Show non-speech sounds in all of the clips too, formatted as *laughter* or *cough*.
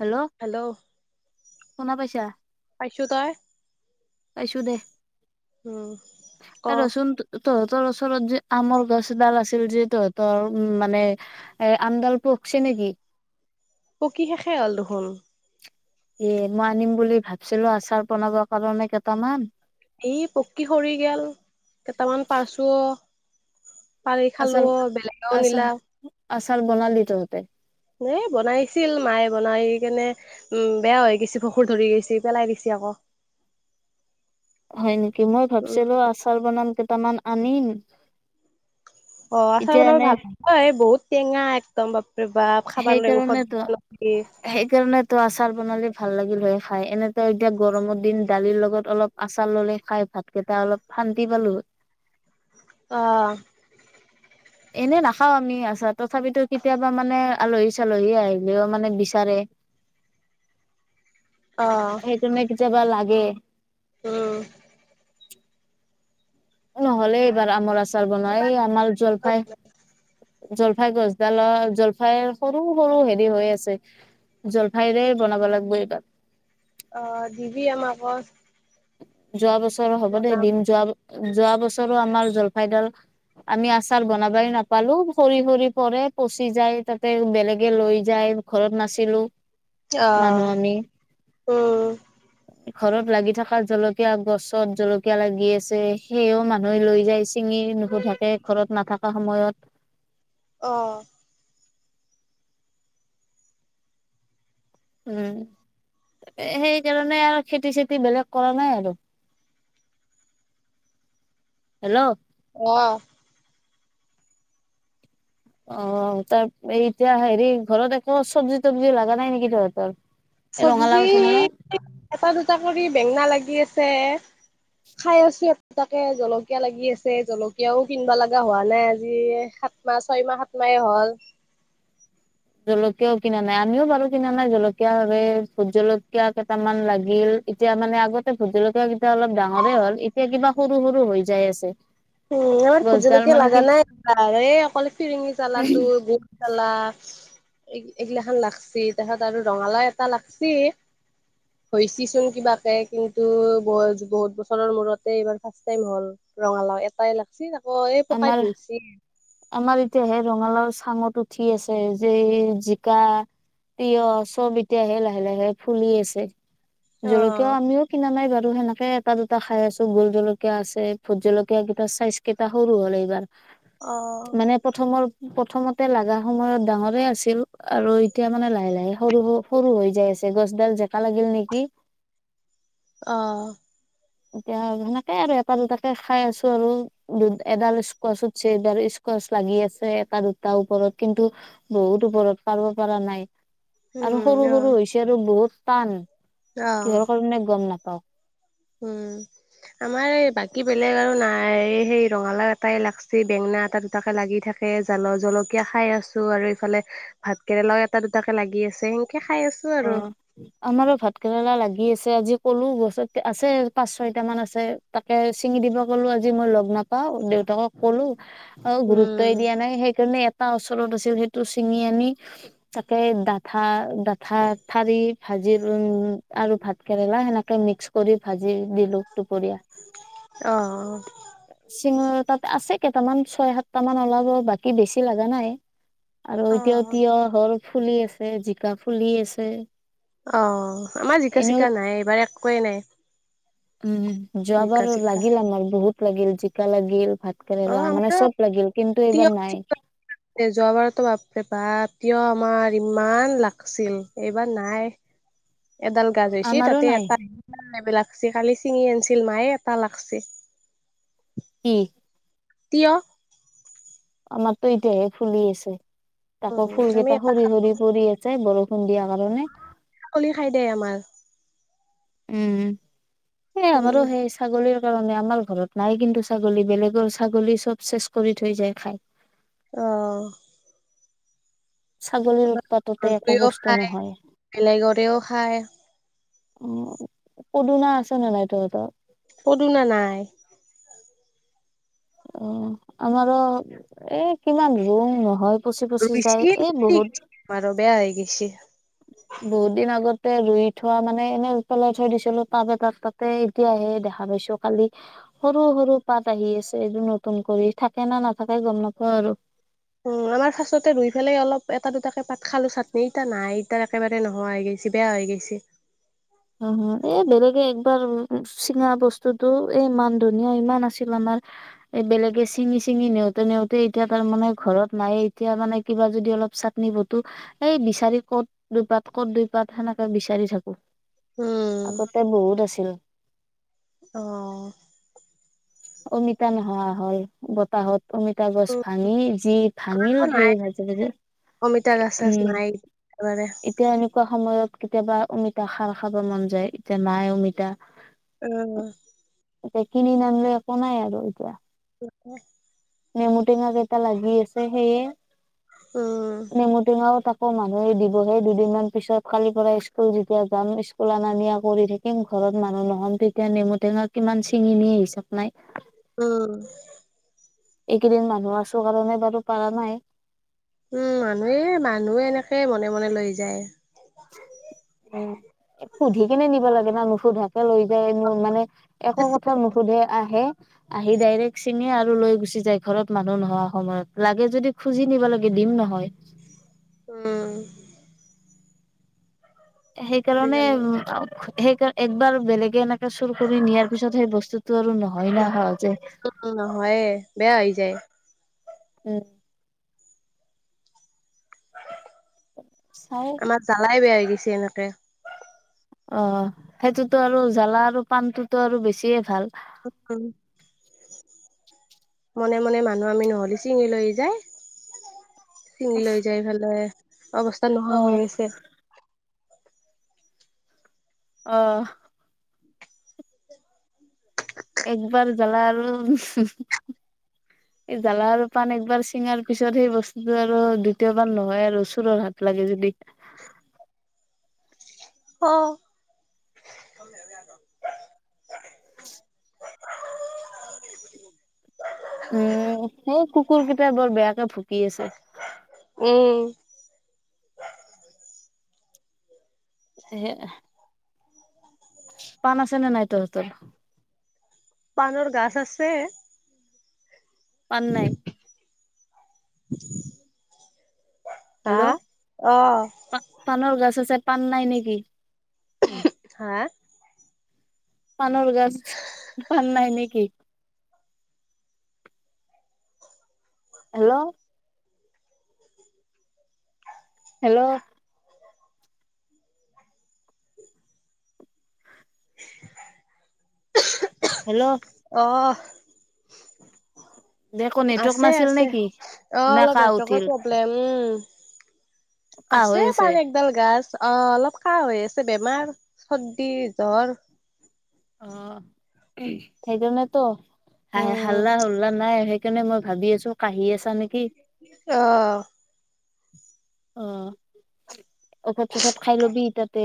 Hello. Hello. শুনা পাইছা? পাইছো তই পাইছোঁ দে, উম ক এ ৰচোন তহঁতৰ ওচৰত যে আমৰ গছ এডাল আছিল যে তহঁতৰ উম, মানে এ আমডাল পকছে নেকি? পকি শেষে হ'ল দেখোন। এ মই আনিম বুলি ভাবছিলোঁ আচাৰ বনাব কাৰণে কেইটামান এই পকী সৰি গেল, কেইটামান পাৰছোঁ। পাৰি খালো, আচাৰ বেলেগেও আচাৰ নিলা। আচাৰ বনালি তহঁতে? এ বনাইছিল, মায়ে বনাই কেনে উম বেয়া হৈ গৈছে, ভেকুৰ ধৰি গৈছে পেলাই দিছি আকৌ। হয় নেকি মই উম ভাবছিলো আচাৰ বনাম কেইটামান আনিম। অ আচাৰ এতিয়া বনাব এনে ভাল, এই বহুত টেঙা এক -দম বাপৰে বাপ খাব নোৱাৰ মুখত দিবা নৰি। সেইকাৰণে তো আচাৰ বনালি ভাল লাগিল হয় খাই, এনেতো এতিয়া গৰমৰ দিন দালিৰ লগত অলপ আচাৰ ললে খাই ভাত কেইটা অলপ শান্তি পালো হয়। অ। এনেই নাখাও আমি আচাৰ তথাপিতো কেতিয়াবা মানে আলহী চালহী আহিলেও মানে বিচাৰে। *inaudible* অ। তেনেকে কেতিয়াবা লাগে। উম। নহ'লে এইবাৰ আমৰ আচাৰ বনোৱা, এইবাৰ এই আমাৰ জলফাই জলফাই গছডালৰ জলফাইৰ সৰু সৰু হেৰি হৈ আছে। জলফাইৰে বনাব লাগিব এইবাৰ। অঁ দিবি আমাকো। যোৱা বছৰো হ'ব দে দিম, যোৱা যোৱা বছৰো আমাৰ জলফাইডাল আমি আচাৰ বনাবাই নাপালো, সৰি সৰি পৰে পচি যায় তাতে বেলে গে লৈ যায়, ঘৰত নাছিলো অ মানুহ আমি। উম ঘৰত লাগি থকা জলকীয়া গছত জলকীয়া লাগি আছে, সেও মানুহে লৈ যাইছে। চিঙি নুহুধাকে ঘৰত নাথাকা সময়ত অঁ। উম। এ সেইকাৰণে আৰু খেতি চেতি বেলেগ কৰা নাই আৰু। হেল্ল। অ। অ, তাৰ এই এতিয়া হেৰি ঘৰত একো চব্জি তবজি লগা নাই নেকি তহঁতৰ? এই ৰঙালাও চব্জি চঙালাও এটা দুটা কৰি বেঙেনা লাগি আছে। খাই আছো, এ তাকে জলকীয়া লাগি আছে জলকীয়াও কিনবা লগা হোৱা নাই আজি। সাত মাহ ছয় মাহ সাত মাহে হ'ল। জলকীয়াও কিনা নাই, আমিও বাৰু কিনা নাই জলকীয়া সেইবাবেই ভোট জলকীয়া কেইটামান লাগিল। এতিয়া মানে আগতে ভোট জলকীয়া কেইটা অলপ ডাঙৰে হ'ল, এতিয়া কিবা সৰু সৰু হৈ যাই আছে। উম আমাৰ ভোট গছডাল জলকীয়া মানে কি লগা নাই, এই অকলে ফিৰিঙি জালাতো জালা এই এইগিলা খান লাগছি, তাৰ পিছত আৰু ৰঙালাও এটা লাগছি। *inaudible* হৈছিচোন কিবাকে, কিন্তু বহুত বছৰৰ মূৰতে এইবাৰ ফাৰ্ষ্ট টাইম হ'ল। ৰঙালাও এটাই লাগছি, তাকো আকৌ এই পকাই আমাৰ বিন্ধছি। আমাৰ এতিয়া সেই ৰঙালাও চাংত উঠি আছে, যে জিকা তিঁয়হ চব এতিয়াহে লাহে লাহে ফুলি আছে। অ জলকীয়া আমিও কিনা নাই বাৰু সেনেকে, এটা দুটা খাই আছো, ভোট জলকীয়া আছে ভোট জলকীয়া কেইটা চাইজ কেইটা সৰু হ'ল এইবাৰ। অঁ! মানে প্ৰথমৰ প্ৰথমতে লাগা সময়ত ডাঙৰে আছিল আৰু এতিয়া মানে লাহে-লাহে সৰু-সৰু সৰু হৈ যাই আছে। গছডাল জেকা লাগিল নেকি? অঁ। এতিয়া সেনেকে আৰু এটা, দুটাকে খাই আছোঁ আৰু। দু এডাল স্কোৱাচ উঠিছে, এডাল স্কোৱাচ লাগি আছে এটা, দুটাৰ ওপৰত কিন্তু বহুত ওপৰত পাৰিব পৰা নাই। আৰু উম অ সৰু-সৰু হৈছে আৰু বহুত টান, অ কিহৰ কাৰণে গম নাপাওঁ। উম। আমাৰ এই বাকী বেলেগ আৰু নাই। সেই ৰঙালাও এটাই লাগছি, বেঙেনা এটা, দু টাকে লাগি থাকে, জাল জলকীয়া খাই আছোঁ আৰু ইফালে ভাত কেৰেলাও এটা, দুটাকে লাগি আছে, সেনকে খাই আছোঁ আৰু। আমাৰো ভাত কেৰেলা লাগি আছে। আজি ক'লো গছত আছে পাঁচ, ছয়টা মান আছে। তাকে ছিঙি দিব ক'লো আজি মই লগ নাপাওঁ। দেউতাকক ক'লো *unintelligible* গুৰুত্বই উম দিয়া নাই, সেইকাৰণে এ এটা ওচৰত আছিল সেইটো ছিঙি আনি, তাকে ডাঠা-ডাঠা ঠাৰি ভাজি উম আৰু ভাত কেৰেলা সেনেকে মিক্স কৰি ভাজি দিলোঁ দুপৰীয়া। অঁ-অঁ! চিঙৰ তাত আছে কেইটামান ছয়, সাতটা মান ওলাব বাকী বেছি লগা নাই। আৰু অ এতিয়া তিঁয়হ হ'ল ফুলি আছে, জিকা ফুলি আছে। অঁ! আমাৰ এনেও জিকা-চিকা নাই, এইবাৰ একোৱেই নাই। উম! জিকা যোৱাবাৰ চিকা লাগিল আমাৰ বহুত লাগিল। জিকা লাগিল, ভাত অ কেৰেলা মানে আমাৰো চব লাগিল, কিন্তু তিয়হ এইবাৰ নাই। যোৱাবাৰতো বাপৰে বাপ তিঁয়হ আমাৰ ইমান লাগছিল, এইবাৰ নাই। এডাল গাজ হৈছে আমাৰো তাতে নাই এটা *unintelligible* লাগছি্, কালি ছিঙি আনিছিল মায়ে এটা লাগছি। কি? তিঁয়হ। আমাৰতো এতিয়াহে ফুলি আছে, তাকো উম ফুল কেইটা আমি সৰি-সৰি পৰি আছ যায় বৰষুণ দিয়াৰ কাৰণে। কলি খাই দে আমাৰ। উম-উম! সেই আমাৰো উম সেই ছাগলীৰ কাৰণে। আমাৰ ঘৰত নাই কিন্তু ছাগলী, বেলেগৰ ছাগলী চব চেচ কৰি থৈ যায় খাই। অঁ! ছাগলীৰ আমাৰ উৎপাততে একো ঘৰটোৱেও বস্তু খায় নহয়। বেলেগৰেও খায় অঁ! পদুনা আছে নে নাই তহঁতৰ? পদুনা নাই। উম! আমাৰো এ কিমান লোণ নহয়। পচি-পচি যায় এই বহুত মানুহ বেয়া হৈ গৈছে। বহুত দিন আগতে ৰুই থোৱা মানে এনেই পেলাই থৈ দিছিলোঁ টাৱ এটাত তাতে। এতিয়া হে দেখা পাইছোঁ কালি। সৰু-সৰু পাত আহি আছে এইটো নতুন কৰি থাকে না নাথাকে গম নাপাওঁ আৰু। উম! আমাৰ ফাৰ্ষ্টটোতে ৰুই পেলাই অলপ এটা, দুটাকে পাত খালোঁ চাটনি। এতিয়া নাই এতিয়া একেবাৰে নহোৱা হৈ গৈ বেছি বেয়া হৈ গৈছে। হুম হুম, এ, বেলেগে একবাৰ *unintelligible* চিঙা বস্তুটো এই মান ধুনীয়া ইমান আছিল আমাৰ। এ, বেলেগে চিঙি চিঙি নিওঁতে নিওঁতে এতিয়া তাৰমানে ঘৰত নাইয়ে, এতিয়া মানে কিবা যদি অলপ চা আনি বতো, এই বিচাৰি ক'ত দুইপাত ক'ত দুইপাত সেনেকে বিচাৰি থাকো। উম আগতে বহুত আছিল। অ' অমিতা নহোৱা হ'ল, বত তাহত অমিতা গছ উম ভাঙি যি ভাঙিল, নাই সেই ভাজে ভাজে, অমিতা গছ চছ উম নাই একেবাৰে এতিয়া এনেকুৱা সময়ত, কেতিয়াবা অমিতা খাৰ খাব মন যায়, এতিয়া নাই অমিতা। উম। এতিয়া কিনি নানিলে একো নাই আৰু এতিয়া। *unintelligible* নেমু টেঙা কেইটা লাগি আছে সেইয়ে, উম নেমু টেঙাও তা কো মানুহে দিব, সেই দুদিনমান পিছত কালিৰ পৰা স্কুল যেতিয়া যাম, স্কুল অনা নিয়া কৰি থাকি কিম ঘৰত মানুহ নহ'ম, তেতিয়া নেমু টেঙা কিমান চিঙি নিয়ে, হিচাপ নাই। উম। এইকেইদিন মানুহ আছো কাৰণে বাৰু পাৰা নাই। উম মানুহে, মানুহে এনেকে মনে মনে লৈ যায়। উম, এ সুধি কিনে নিব লাগে না নুসুধাকে লৈ যায় মোৰ মানে। একো কথা নুসুধে, আহে আহি ডাইৰেক্ট ছিঙে আৰু লৈ গুচি যায়, ঘৰত মানুহ নহোৱা সময়ত, লাগে যদি খুজি নিব লাগে, দিম নহয়। উম। সেইকাৰণে, আজিকালি উম, আও সেইকাৰ একবাৰ বেলেগে এনে কে চুৰ কৰি নিয়াৰ পিছত, সেই বস্তুটো আৰু নহয় না সহজে। উম নহয়। এ বেয়া হৈ যায়। উম। চাই আমাৰ জালাই বেয়া হৈ গৈছে এনেকে। অ', সেইটোতো আৰু জালা আৰু পাণটোতো আৰু বেছিয়ে ভাল। উম, উম। মনে মনে, মানুহ আমি নহ'লে, চিঙি লৈ যায়। চিঙি লৈ যাই পেলাই, অৱস্থা অ নোহোৱা হৈ আছে। অহ। একবাৰ জালা আৰু এই জালা আৰু পাণ এবাৰ চিঙাৰ পিছত, সেই বস্তুটো আৰু দ্বিতীয়বাৰ নহয় আৰু চোৰৰ হাত লাগে যদি। অ' উম, সেই কুকুৰ কেইটাই, বৰ বেয়াকে ভুকি আছে। উম। সেয়া। পাণ আছে নে নাই, তহঁতৰ? পাণৰ গাছ আছে। পাণ নাই। হা, অ' পা পাণৰ গছ আছে পাণ নাই নেকি? হা, পাণৰ গছ, *unintelligible* পাণ নাই নেকি? হেল্ল'। হেল্ল'। হেল্ল'। অহ' দে একো নেটৱৰ্ক আছে নাছিল আছে নেকি অ' না অলপ কাহ নেটৱৰ্কৰ উঠিল প্ৰব্লেম। উম, কাহ আছে। হৈ *unintelligible* কোডাল *unintelligible* গছ 'অ অলপ খাহ হৈ আছে, বেমাৰ চৰ্দি জ্বৰ। অ' সেইকাৰণেতো হাই উম, হাল্লা হুল্লা নাই। সেইকাৰণে মই ভাবি আছো কাহি আছা নেকি। অঁ'। অ' ঔষধ চৌষত খাই লবি তাতে।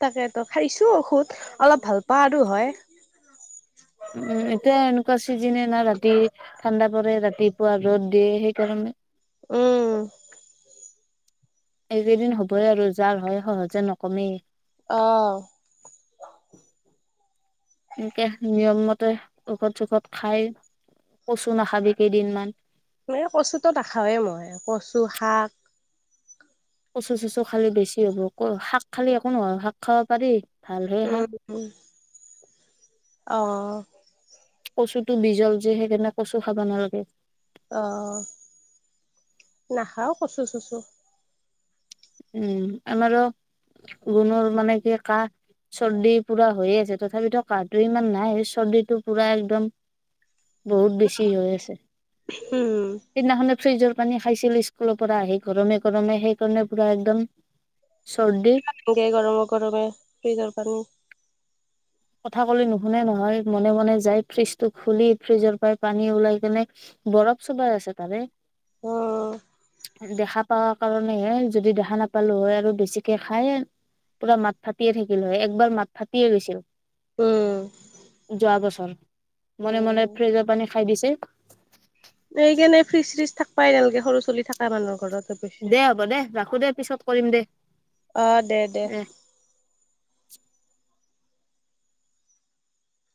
তাকেতো খাইছো ঔষধ অলপ ভাল পাওঁ আৰু হয়। উম, এতিয়া এনেকুৱা চিজনে না ৰাতি। ঠাণ্ডা পৰে ৰাতিপুৱা ৰ'দ দিয়ে, সেইকাৰণে। উম, এইকেইদিন হ'বই আৰু যাৰ হয় সহজে নকমেই। অ'। *inaudible* একে নিয়মমতে ঔষধ চোষত খাই কচু নাখাবি কেইদিনমান। এই কচুটো নেখাওঁৱেই মই কচু শাক, কচু চচু খালে বেছি হ'ব ক, শাক খালে একো নহয় শাক খাব পাৰি। ভাল হয় শাক উম- উম, অ'। কচুটো বিজল যে সেইকাৰণে কচু খাব নালাগে। অ' নাখাওঁ কচু চচু। উম, আমাৰ গুণৰ মানে কি কাহ। চৰ্দি পুৰা হৈয়ে আছে, তথাপিতো কাহটো ইমান নাই চৰ্দিটো পুৰা একদম। বহুত বেছি হৈ আছে, উম সেইদিনাখনে ফ্ৰিজৰ পানী খাইছিল স্কুলৰ পৰা আহি গৰমে গৰমে, সেইকাৰণে পুৰা একদম চৰ্দি। এই গৰম গৰমে ফ্ৰিজৰ পানী কথা কলে নুশুনে নহয়, মনে মনে যায় ফ্ৰিজটো খুলি ফ্ৰিজৰ পৰাই পানী ওলাই কেনে বৰফ চোবাই আছে তাৰে। অঁ'। দেখা পাওা কাৰণেহে, যদি দেখা নাপালো হয়, আৰু বেছিকে খাই পুৰা মাত ফাটিয়ে থাকিল হয়, একবাৰ মাত ফাটিয়ে গৈছে। উম'। যোৱা বছৰ মনে মনে উম ফ্ৰিজৰ পানী খাই দিছে। এইকাৰণে ফ্ৰিজ চ্ৰিজ থাক বাই নালাগে সৰু ছোৱালী থাকা মানুহৰ ঘৰত। অৱশ্যে দে' হ'ব দে' ৰাখো দে' পিছত কৰিম দে'। অ' দে' দে'। এ